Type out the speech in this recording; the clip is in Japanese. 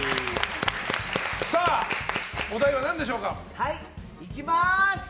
お題は何でしょうか？